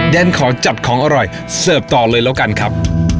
ฉันขอจัดของอร่อยเสิร์ฟต่อเลยแล้วกันครับ